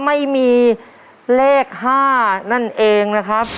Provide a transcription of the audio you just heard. ไม่มีเลข๕นั่นเองนะครับ